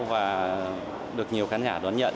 và được nhiều khán giả đón nhận